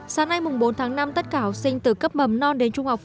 sáng nay bốn tháng năm tất cả học sinh từ cấp mầm non đến trung học